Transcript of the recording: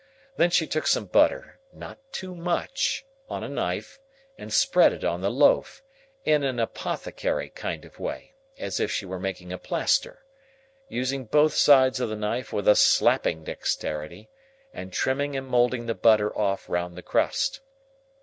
Then she took some butter (not too much) on a knife and spread it on the loaf, in an apothecary kind of way, as if she were making a plaster,—using both sides of the knife with a slapping dexterity, and trimming and moulding the butter off round the crust.